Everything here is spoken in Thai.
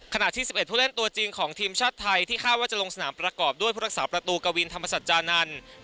ที่๑๑ผู้เล่นตัวจริงของทีมชาติไทยที่คาดว่าจะลงสนามประกอบด้วยผู้รักษาประตูกวินธรรมสัจจานันทร์